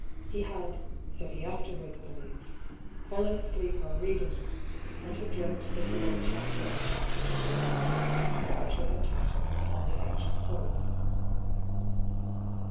He had, so he afterwards believed, fallen asleep while read ing it — and had dreamt that he read a chapter or chap ters of its second part (which was entitled, " On the Age of Souls